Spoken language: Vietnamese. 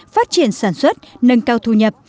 phát triển sản xuất nâng cao thu nhập